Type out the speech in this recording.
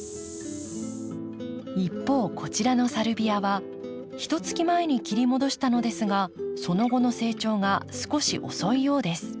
一方こちらのサルビアはひとつき前に切り戻したのですがその後の成長が少し遅いようです。